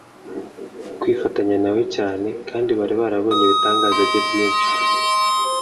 kwifatanya na we cyane kandi bari barabonye ibitangaza bye byinshi.